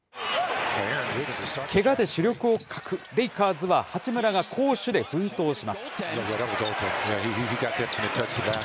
けがで主力を欠くレイカーズは、八村が攻守で奮闘します。